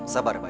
sabar ya pak